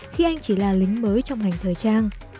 khi anh chỉ là lính mới trong ngành thời trang